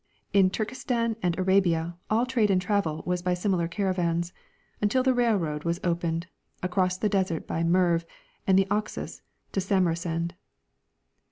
In Turkistan and Arabia all trade and travel Avas by similar caravans until the railroad was opened across the desert by Merv and the Oxus to Samarcand.